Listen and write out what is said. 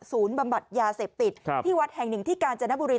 บำบัดยาเสพติดที่วัดแห่งหนึ่งที่กาญจนบุรี